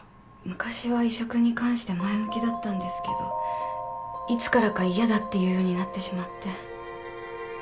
昔は移植に関して前向きだったんですけどいつからか嫌だって言うようになってしまって。